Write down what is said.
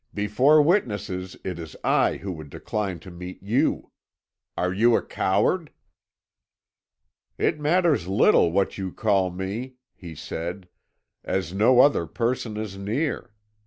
Before witnesses it is I who would decline to meet you. Are you a coward?' "'It matters little what you call me,' he said, 'as no other person is near.